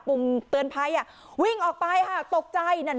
ุ่มเตือนภัยวิ่งออกไปค่ะตกใจนั่น